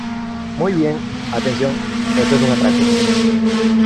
¡ Muy bien , atención , esto es un atraco !